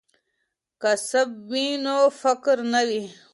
که کسب وي نو فقر نه وي.